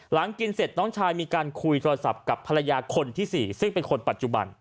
หลังกินเสร็จน้องชายมีการคุยโทรศัพท์กับภรรยาคนที่๔ซึ่งเป็นคนปัจจุบัน